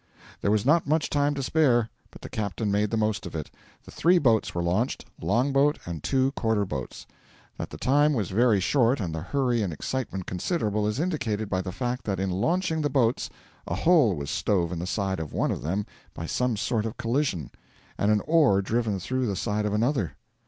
There was not much time to spare, but the captain made the most of it. The three boats were launched long boat and two quarter boats. That the time was very short and the hurry and excitement considerable is indicated by the fact that in launching the boats a hole was stove in the side of one of them by some sort of collision, and an oar driven through the side of another.